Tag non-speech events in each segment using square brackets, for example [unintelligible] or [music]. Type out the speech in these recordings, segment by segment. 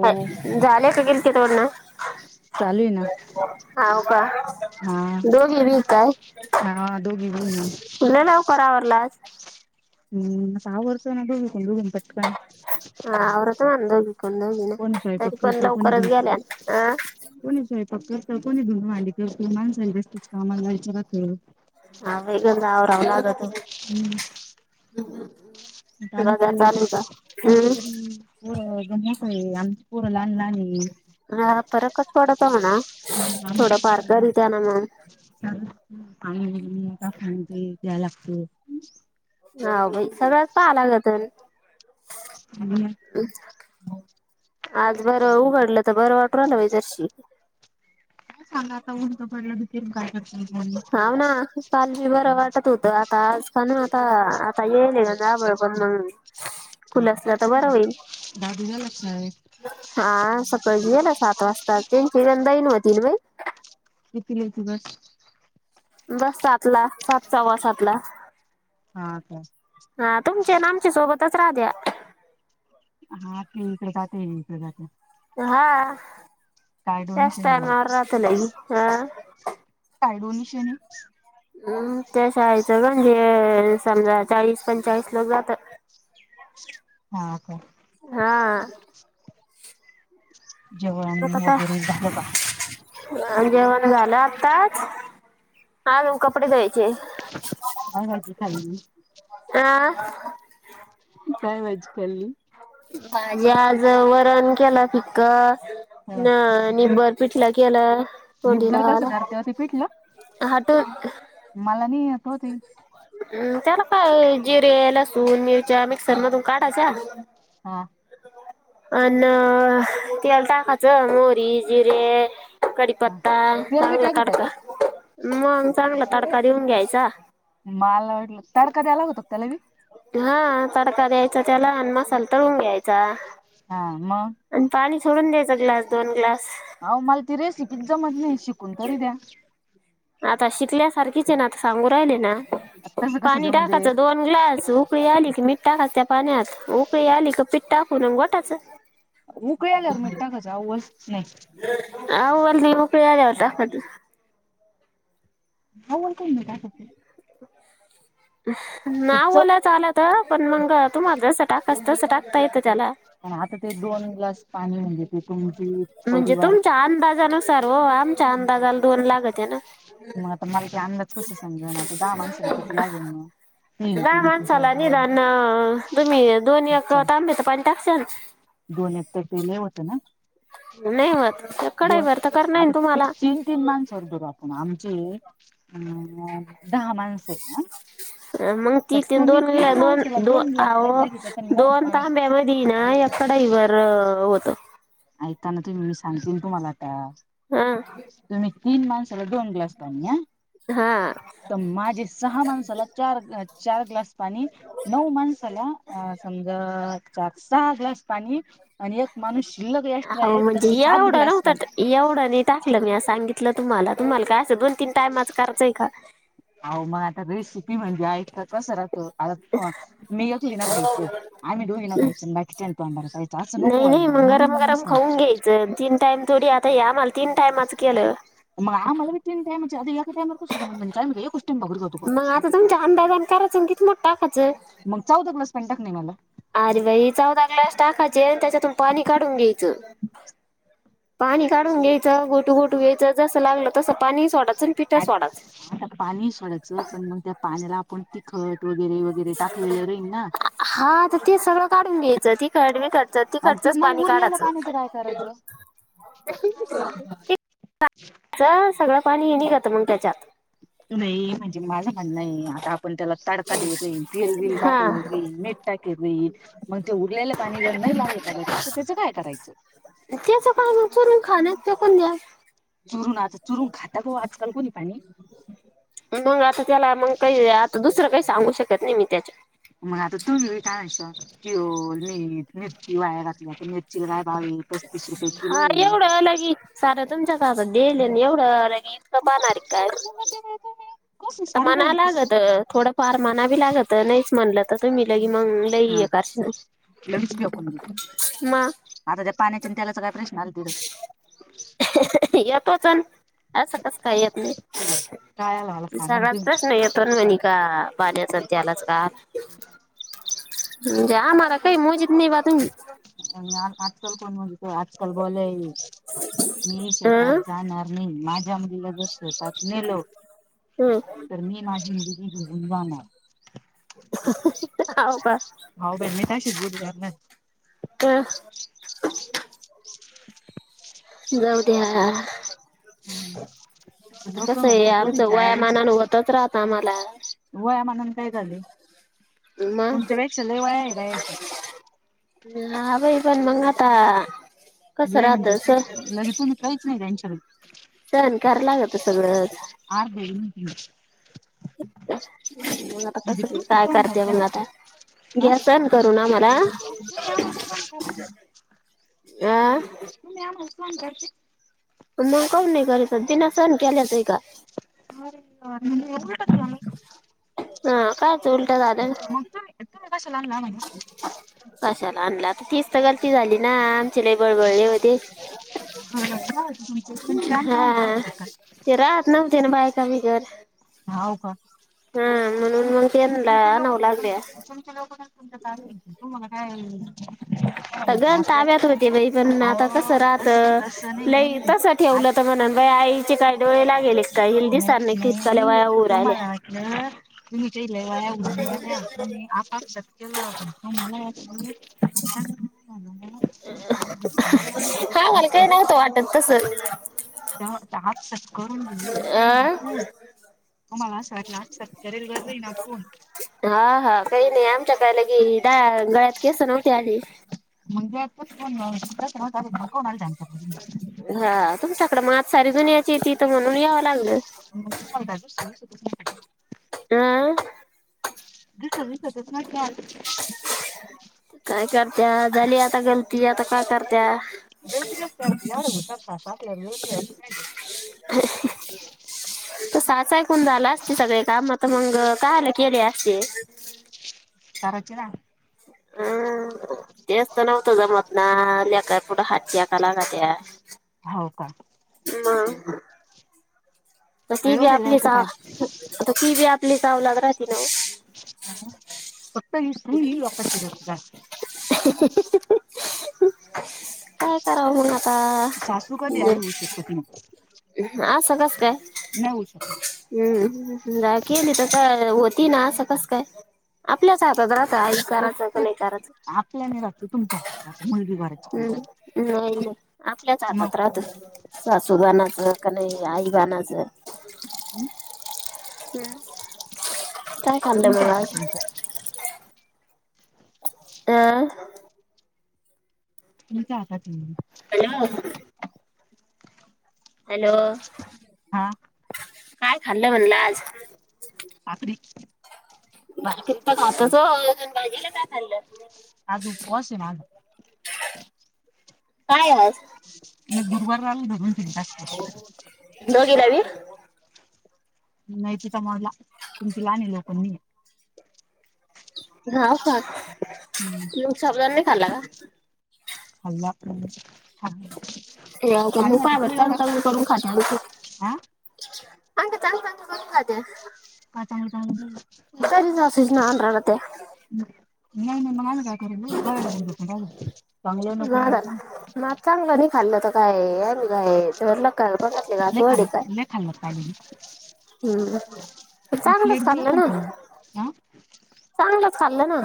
चालू हो. झाले का गेलती तोड ना? चालू आहे ना? हाव काय? हा दोघी बी काय? हा दोघी बहीण ना. तुझं लवकर आवरलं आज. हम्म सहा वर्षानं बघू [unintelligible] पटकन. हा आवरतो आणि दोघु कोणी [unintelligible] स्वयंपाक तरी पण करतं कोणी लवकरच धुन गेल्या. आ? कोणी स्वयंपाक करत, कोणी धुण भांडी करतं माणसा [unintelligible] कामाला जायचं राहत. ह बेग नाव रावलागतो [unintelligible] हम्म. [inaudible] [unintelligible] बाजार चालू का तुमच्या हम्म तरी पोरं [unintelligible] आहे, आमची पोरं लहान लहान आहे. ह फरकच पडतोणा? [unintelligible] पाणी बिनी [unintelligible] द्याय लागते. ह भाई सगळ्यात पाहाला लागतण. ह आज बरं उघडलं तर बरं वाटू राहिलं बाई जराशी. काय सांगा आता उलतं पडलं [unintelligible] हव ना काल बी बरं वाटत होतं. आता आज पण आता आता [unintelligible] म्हणून. खुलसला तर बर होईल. दाब झाला का आहे [unintelligible] हा सकाळीच गेले सात वाजता. त्यांची [unintelligible] होती ना बाई. कितीला येती बस? बस सात ला सात सव्वा सात ला. हा का? हा तुमच्यान आमच्या सोबतच राहते. हा ते इकडे जाते इकडे जाते. हा काय दोन्ही त्याच शनी घाल टायमावर राहत नाही हा. काय डोनेशन हाय? हम्म त्या शाळेचं ग म्हणजे समजा चाळीस पंचाळीस लोक जातं. हा का? हा. [inaudible] कसं काय? वगैरे झालं का हा जेवण झालं आत्ताच, अजून कपडे धुवायचेत. काय भाजी खाल्ली? हा. काय भाजी खाल्ली? भाजी आज वरण केला फिक्क, ह [unintelligible] पिठलं केलं. तोंडी [unintelligible] कसं लावायला करतात ते पिठलं. [unintelligible] मला नाही आठवत हे. हम्म, त्याला काय जिरे, लसूण, मिरच्या, मिक्सर मधून काढायच्या. हा. अन तेल टाकायचं, मोहरी, जिरे, हा कढिपत्ता, तेल बी चांगला टाकीत्या तडका, का मग चांगला तडका देऊन घ्यायचा. मला वाटलं, तडका द्याया लागतो त्याला बी? हा तडका द्यायचा त्याला आणि मसाला तळून घ्यायचा. हा मग आणि पाणी सोडून द्यायच ग्लास दोन ग्लास. अहो मला ती रेसिपीचं जमत नाही, शिकून तरी दया. आता शिकल्यासारखीच ये ना, आता सांगू राहिले ना तसं कसं पाणी जमत ते टाकायचं दोन ग्लास. उकळी आली की मिठ टाकायचं त्या पाण्यात, उकळी आली की पिठ टाकुन घोटाचं. उकळी आल्यावर मिठ टाकायच. [unintelligible] आवळणी उकळी आल्यावर टाकायची. [unintelligible] ना ते चव ओलायच आलात पण मंग तुम्हाला जसं टाकाचं तसं टाकता येतं त्याला. पण आता ते दोन ग्लास पाणी म्हणजे तुमचे म्हणजे परिवार. तुमच्या अंदाजानुसार हो आमच्या अंदाजाला दोन लागते ना. मग आता मला ते अंदाज कसं समजनं दहा माणसांना किती लागल म. आता दहा माणसाला निधान तुम्ही दोन एक चार तांबे तर पाणी टाकशा न. दोन ऐक पैकी लय होत ना? नई होत तर कडई दोन भर करणार हाय आता तुम्हाला. तीन तीन माणस धरू आपण आमची अ दहा माणस आहेत हा. मग ती तर तीन तुम्ही दोन दोन माणसाला दो ग्लास पाणी अहो टाकी त्यात दोन नऊ तांब्या तिना एक कडईवर होत. ऐका ना तुम्ही मी सांगते तूम्हाला आता. हा. आणि तीन माणसाला दोन ग्लास पाणी [unintelligible] हा. तर माझी सहा माणसाला चार ग्लास, चार ग्लास पाणी. नऊ माणसाला आ समजा सहा सहा ग्लास पाणी आणि एक माणूस शिल्लक एक्स्ट्रा अहो आहे तर म्हणजे सात एवढं ग्लास नव्हत पाणी कधी एवढं नाही टाकलं म्या सांगितलं तुम्हाला, तुम्हाला काय असं दोन तीन टाईमाच करायचं आहे का? अहो म आता रेसिपी म्हणजे आयता पसारा. आता मी ऐकटीन खायंच, आम्ही दोघीन खायचं बाकीच्या नी तोंडानं पहा नाही नाही मग गरम गरम खाऊन घ्यायचं, तीन टाइम थोडी आता हे आम्हाला तीन टाइमाच केलं. मग आम्हाला बी तीन टाइमाची आधी एका टाईमावर कशी जमल म्हणजे टाइम एकच [unintelligible] मग आता तुमच्या अंदाजान करायचं, किती मीठ टाकायचं. मग चौदा ग्लास पाणी टाकणं आहे मला. अरे बाई चौदा ग्लास टाकायचे, आणि त्याच्यातून पाणी काढून घ्यायचं. पाणी काढून घ्यायचं, घोटू घोटू घ्यायचं जसं लागलं तसं पाणी सोडायच. आच्छ! आता पाणी सोडायचं पण मग त्या पाण्याला आपण तिखट, वगैरे वगैरे टाकलेलं राहील ना. हा तर ते सगळं काढून घ्यायचं ते. कडमी खर्च त आणि ते खर्चच मग पाणी काढायचं. कायच च सगळं पाणी हे निघात मग त्याच्यात. नाही म्हणजे मला म्हणणं आता, आपण त्याला तडका देतई तेलबल टाकत हा मेठ टा. येईल मग ते उरलेलं पाणी जर नाही लागलं कदाचित तर त्याचं काय करायचं? त्याच काय चलून, खाण्यात चकून द्या. चरु ना, आचा चरुंग खातात ख आजकाल कोणी पणी. मग आता त्याला मग काही आता दुसरं काही सांगू शकत नाही मी त्याच्या. मग आता तू काायचं, किओल मीठ मिरची वाया घातलीता मिरची गय भावी. हा एवढं अलगी, सारं तुमच्या काातल आणि एवढं अलगी. आणण सज ते मा [inaudible] आता मना लागत, थोडंफार मना भी लागत नाहीच म्हणलं तर तुम्ही लगी मग लई ये कारशन. ल आता, त्या पाण्याच्या त्यालाचा काय प्रश्न आला तिथं. तोचण. असं कस काही येत काय आला मला नाही, सांगा ना सगळत तुम्ही प्रश्न येत. पण म्हणी का पाऱ्या सध्यालाच का? जा मार काही म जितनी बाात हु. आजकाल को मज [unintelligible] त आजकाल ब मीश तर अं जाणार. माझ्या मुला जर, स्वतात नेल हम्म तर मी माझी मु ह जा ना. ह का? हाई मीठायशीस बुज यार नाही. ह. जाऊ ते. हम्म आता लोक कस आहे, म्हणन आमचं पोरीच्या आया वयामानान होतच राहत आम्हाला. वया म्हणून काय झाले, मग तुमच्या वेक्षा ल वया आहे राहायच्या. आ पण मंगाता. लय म्हणजे, लगेच कायच नाही त्यांच्या ल सन क लागत सगळंच. आर् देनट मग आता, कस तुम्ही काय? फोन करते करता मग का आता. हा ग्यासन करू ना मला, तुम्ही आम्हाला फोन अ. म आमसन करते. मग काम नाही करायचं, दिना सहण केल्याच आहे का. अ उटचवाम. हा कायच उलटा ददा. मग तुम्ही तुम्ही कशाला आणला म्हणे कशाला आणला तर तीच तर गलती झाली, ना आमचेला बळबळले हो. हो जा होत तुम तुमचे आमच्या मागे पाहत हा होते का [unintelligible] ते राहत नव्हते ना, बायका बगर. होव का तूम म्हणून मग त्यांना तुमचे लोक आणावं लागल्या तुमचे तुमचे लोक म्ह काय म का आहे. गण ताब्यात होते बाई, पण आता अहो कसं राहत तस तसं लई नाही तस आज ठेवलं तर,. म्हणा बा आईचे काय डोळे लागेल का दिसार नाही कका. तमला वाटलं, तुम्हीच्या इ वया उ झाल्या तुम्ही आपाप. केलाण तो मला वाटला. हा मला काही नव्हतं, वाटत तस. च आ करून दिली ना अ पू हो मला असं वाटल, आ सत्तर गरलं ना फोन. हा हा काही नाही आमच्याकला की, ग- गळ्यात केस नव्हते आली. [unintelligible] हा तुमच्याकड मा सारेजन यायचे तीथं, म्हणून याव लागलं. मग तुम्हाला काय दुसरं दिसतच नाही अं.. दिसत दिसत ठेवलं नाहील [inaudible] काय करत्या झाली आता गलती, आता काय करत्या. [unintelligible] अं हं. त साच ऐकून झाला असते, सगळे काम तर मग काय अले केले असते. करायची ना अमं.. तेच त नव्हतं जमत ना, लेकापुढे हात टेक लागत्या. हो का. मग. तशी बी एवढे आपलीच लायक सा काय? तशी ती बी आपलीच लग्नाची औलाद राहतील नव्हं. [inaudible] फक्त ही [unintelligible] हं.. काय कराव मग आता. सासू कधी आई होऊ शकत नाही. आस कसं काय. नाही होऊ शकत. हम्म.. केली तर होती ना, असं कसं काय आपल्याच हातात. काम ते करायचं का ते नाही करायचं, आपल्याने राहते. तुमच्या हातात राहते. मुलगी घराची पण हम्म करायची. नाही नाही. आपल्याच मग हातात राहतं, सासू बानाचं का नाही आई बानाचं. हं? हम्म. तुमच्या हातात तुमच्या. अं. [inaudible] [inaudible] हॅलो. हां. काय? खाल्लं म्हणलं आज. आखरी. भाकरी तर खातस हो आजून भाजीला काय खाल्लं? आज उपवास आहे माझा. काय आहे आज. गुरुवार राहिल ना, [unintelligible] [unintelligible] म्हायती होतं मला, तुमची लानी लोक मी हाय. हां का, हम्म. मग साबुदाणा नाही खाल्ला का. खाल्ला आपणच [unintelligible] पान चांलूच एवढा करून करून खातेल ते, हा चांगलं करून करून खातय. आता आम्हाला घालून दे बाब [unintelligible] [inaudible] चांगलं बी नको वाईट बी माझा नको. मग चांगलं नाही खाल्लं तर, काय मग आमी काय. तोंडातले घास लै वडे खाल्लं काय, मीन खाल्लं. हम्म. चांगलंच खाल्लं ना [unintelligible] चांगलंच खाल्लं ना.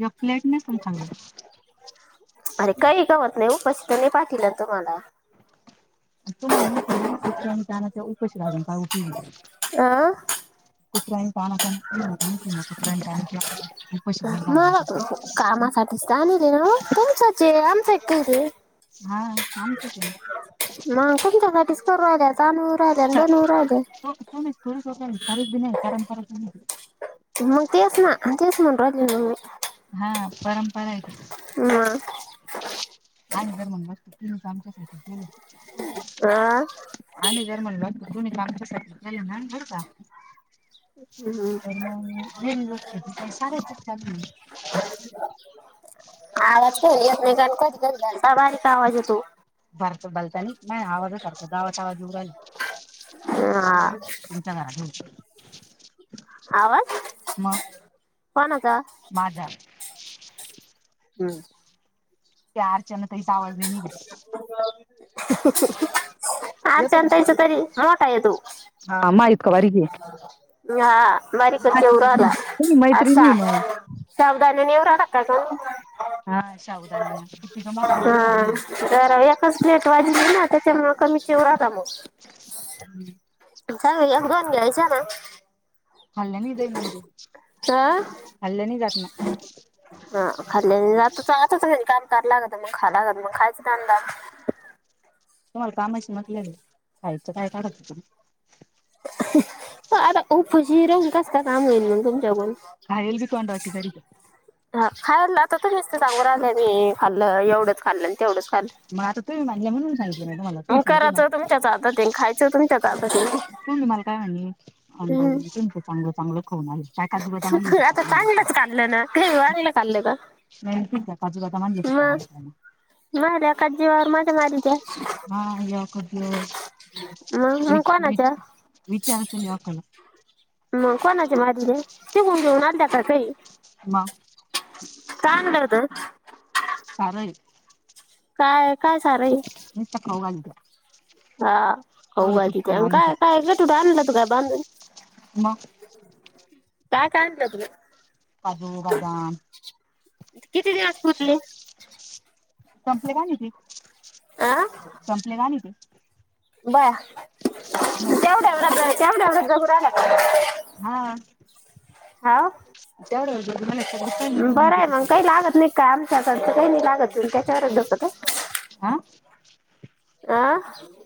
या फ्लॅटने तम खा. अरे काही गवत नाही उपशीित नाही पाठलं तुम्हाला. तो मग ना कुत्र्या आणि दनाचा उपशी लागून पाऊ पी. आ कत्रयनी पाण कत्रयनी पाण [unintelligible] उपाशी पडून राहिली तसंच. जाणू दे ओ तुमचेच हे ते हा आमचंच आहे म कोणच्यासाठीच करू. तनु राहिले आणि बनवू राहिले. शेवटी तुम्हीच. [unintelligible] परंपरा. मग तेच ना तेच म्हण राहिले ना मी हा परंपरा आहे ते. मग. आणि जर म्हण बत तु्ही तर आमच्यासाठी. आह आम्ही धार म्हणलो तर तुम्ही काय आमचा सारखं [inaudible] हम्म. पर वेळी बत तू पण साराचग. आवाज खली आप कधी कधी घलता बारीक आवाज होेतो. भरत बलत नाही आवाजच कररतो गावाात आवाज उवडल. [unintelligible] आ कुणी तर आलय. आवाज कोण होता. माझार. हम्म. चार जन ते. येतो अर्चना ताईच्यात. तरी आला का येदु. हा मा इतका बारीक आहे. हा बारी खर्च एवढा आला. तुम्ही असा मैत्रिणी मग सावधान नेवरा टाका का. हा साबूदा नना. हा तर एच प्लेट वाजली ना त्याच्यामु कमी शव राहता मग. हम् चा वेळेला गन घ्यायचं ना. खाल्ल्याने येते एनर्जी. च [unintelligible] तुम्हाला कामाशी म्हटले खायचं काय काढत तु. आता उफुशी राहून कस का काम होईल मग तुमच्याकून. काय हेल् बिकॉड वाटी खरी. हा खायला आता नस्त चांगू राहिलंय मी खाल्लं एवढंच खाल्लं तेवढंच खाल्लंय. मग आता तुम्ही म्हांड म्हणून सांगितले म त मला तुम्ही सांगले म करायचं त तुमच्याच हातात आहे आणि खायचं तुमच्याच हातात आहे तुम् मला. [unintelligible] का आणि अनुभ हम्म. तुमचं चांगल. चांगलं खऊन आ काय काजी बेटा म्हू शकता आता तुला. चांगलंच खाल्लं ना काही वांगलं खाल्लं का नाहीकीच आहे काजू कता मण घेेत काण पा ना. माझ्याच अका जीवावर माझ मारी द्या. [unintelligible] हा यावकत मग मग विच विच कोणाच्या विचारचल या काळ. मग कोणाचे मझने शिकून घेऊन अध्या का काही. म काय म्हडत सारय काय काय सारा आहे? म चप हो [unintelligible] हा हो का तिथे आणि काय मानत्या काय तुठे आणलं तू काय बांधून मग [unintelligible] काय काय त [unintelligible] कजू बदम! किती दिवस पचले [unintelligible] संपले का नाही ते आ संपले का नाही ते? बाय. म एव्यावढ्याव! हा हा. हा. तेवढला सांग त म कामच्या असतं काही नाही लागत, त त्याच्यावर जसं का हा आह